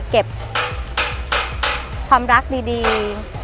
เก็บความรักดี